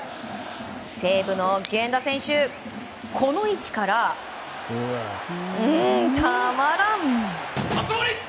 西武の源田選手、この位置からうーん、たまらん！